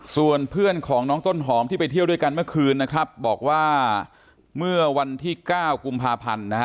ส่วนเพื่อนของน้องต้นหอมที่ไปเที่ยวด้วยกันเมื่อคืนเวลา